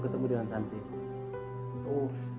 kita pulang aja saja yuk